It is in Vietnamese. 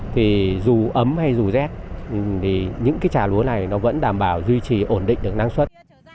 thì dù ấm hay dù rét những trà lúa này vẫn đảm bảo duy trì ổn định được năng suất